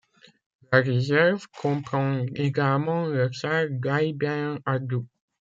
La réserve comprend également le ksar d'Aït-ben-Haddou.